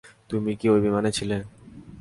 তুমি কি ওই বিমানে ছিলে?